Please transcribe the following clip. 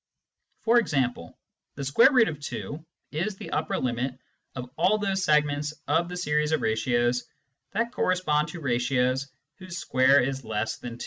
For example, Vz is the upper limit of all those segments of the series of ratios that correspond to ratios whose square is less than 2.